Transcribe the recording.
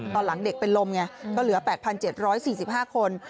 ตอนหลังเด็กเป็นลมไงก็เหลือ๘๗๔๕คน